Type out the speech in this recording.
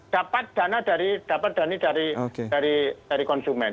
dapat dana dari konsumen